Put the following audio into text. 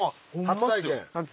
初体験。